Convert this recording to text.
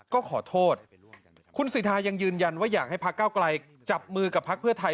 ก็ขอโทษคุณสิทธายังยืนยันว่าอยากให้พักเก้าไกลจับมือกับพักเพื่อไทย